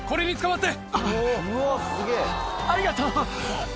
・あありがとう！